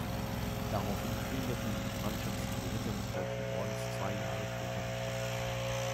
Daraufhin plünderten und brandschatzten die Ritter des Deutschen Ordens zwei Jahre später die Stadt.